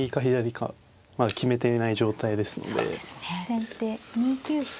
先手２九飛車。